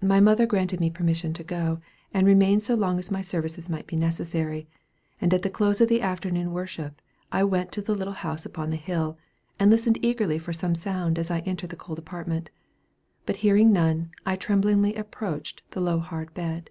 My mother granted me permission to go, and remain as long as my services might be necessary; and at the close of the afternoon worship, I went to the little house upon the hill. I listened eagerly for some sound as I entered the cold apartment; but hearing none, I tremblingly approached the low hard bed.